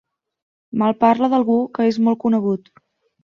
Malparla d'algú que és molt conegut.